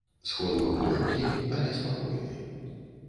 Сход быў доўгі, але спакойны.